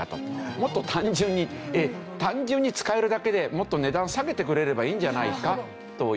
もっと単純に単純に使えるだけでもっと値段下げてくれればいいんじゃないかという。